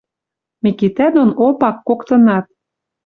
Микитӓ дон Опак коктынат